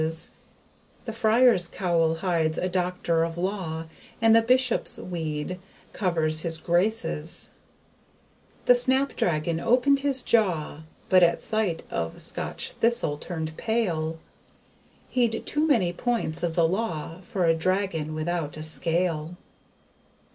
The FRIAR'S COWL hides a doctor of law, And the BISHOP'S WEED covers his grace's The SNAPDRAGON opened his jaw, But, at sight of Scotch THISTLE, turned pale: He'd too many points of the law For a dragon without a scale.